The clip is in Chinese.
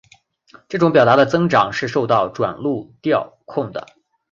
这种表达的增长是受到转录调控的。